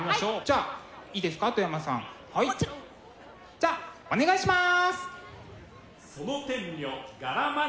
じゃあお願いします！